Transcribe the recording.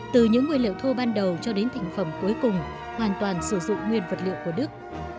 từ những nguyên liệu thô ban đầu cho đến thành phẩm cuối cùng hoàn toàn sử dụng nguyên vật liệu của đức